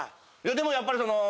でもやっぱりその。